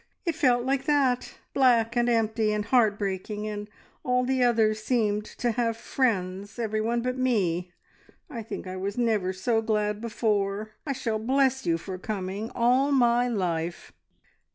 It felt like that; black and empty, and heart breaking, and all the others seemed to have friends everyone but me. I think I was never so glad before. I shall bless you for coming all my life!"